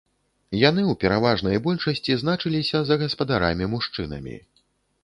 Яны ў пераважнай большасці значыліся за гаспадарамі-мужчынамі.